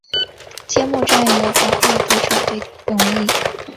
揭幕战由港会主场对永义。